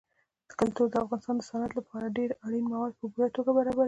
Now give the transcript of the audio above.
کلتور د افغانستان د صنعت لپاره ډېر اړین مواد په پوره توګه برابروي.